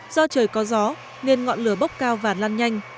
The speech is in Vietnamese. do trời có gió nên ngọn lửa bốc cao và lan nhanh